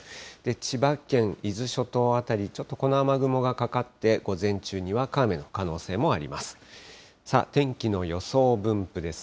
千葉県、伊豆諸島辺り、ちょっとこの雨雲がかかって、午前中、にわか雨の可能性もあります。